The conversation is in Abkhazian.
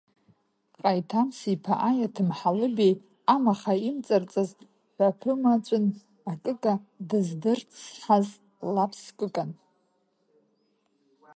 Ҟаиҭмас-иԥа аиаҭым Ҳалыбеи, амаха имҵарҵаз ҳәаԥымаҵәын, акыка дыздырцҳаз лаԥс кыкан…